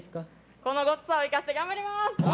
このゴツさを生かして頑張ります。